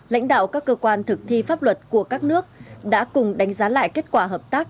lãnh đạo các cơ quan thực thi pháp luật của các nước đã cùng đánh giá lại kết quả hợp tác